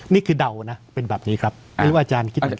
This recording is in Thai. เดานะเป็นแบบนี้ครับไม่รู้ว่าอาจารย์คิดเหมือนกัน